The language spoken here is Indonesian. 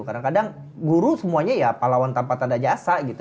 karena kadang guru semuanya ya palawan tanpa tanda jasa gitu